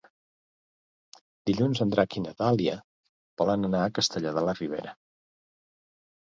Dilluns en Drac i na Dàlia volen anar a Castellar de la Ribera.